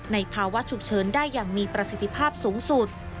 ภาวะฉุกเฉินได้อย่างมีประสิทธิภาพสูงสุด